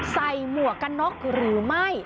หมวกกันน็อกหรือไม่